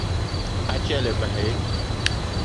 A che li bahi.